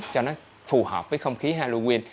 cho nó phù hợp với không khí halloween